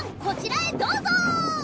こちらへどうぞ！